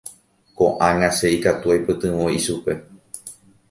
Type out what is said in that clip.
Ko'ág̃a che ikatu aipytyvõ ichupe.